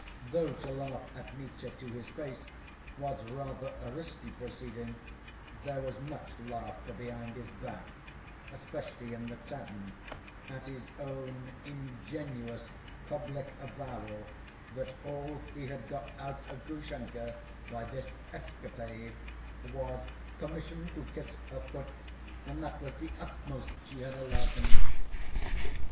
Though to laugh at Mitya to his face was rather a risky proceeding, there was much laughter behind his back, especially in the tavern, at his own ingenuous public avowal that all he had got out of Grushenka by this "escapade" was "permission to kiss her foot, and that was the utmost she had allowed him."